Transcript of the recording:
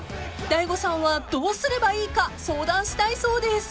［大悟さんはどうすればいいか相談したいそうです］